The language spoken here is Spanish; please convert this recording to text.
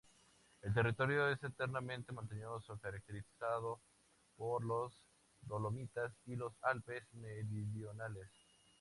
El territorio es enteramente montañoso, caracterizado por los Dolomitas y los Alpes meridionales.